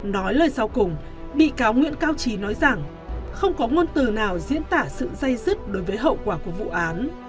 nói lời sau cùng bị cáo nguyễn cao trí nói rằng không có ngôn từ nào diễn tả sự dây dứt đối với hậu quả của vụ án